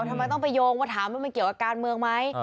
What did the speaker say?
ทำไมต้องไปโยงว่าถามว่ามันเกี่ยวกับการเมืองไหม